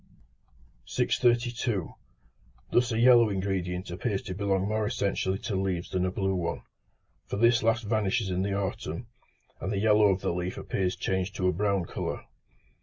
632. Thus a yellow ingredient appears to belong more essentially to leaves than a blue one; for this last vanishes in the autumn, and the yellow of the leaf appears changed to a brown colour.